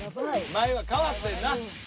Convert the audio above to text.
前は変わってんな。